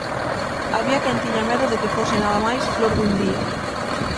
Había quen tiña medo de que fose nada máis flor dun día.